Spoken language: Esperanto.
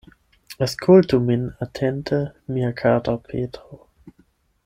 Aŭskultu min atente, mia kara Petro.